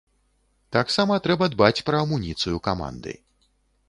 Таксама трэба дбаць пра амуніцыю каманды.